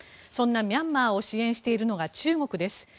そんなミャンマーを支援しているのが中国です。